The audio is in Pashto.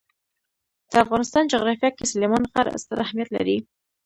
د افغانستان جغرافیه کې سلیمان غر ستر اهمیت لري.